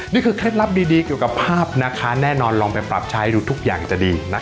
เคล็ดลับดีเกี่ยวกับภาพนะคะแน่นอนลองไปปรับใช้ดูทุกอย่างจะดีนะคะ